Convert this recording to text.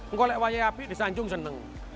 ngolek wayai api di sanjung seneng